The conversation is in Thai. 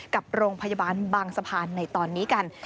กับโรงพยาบาลบางสะพานในตอนนี้กัน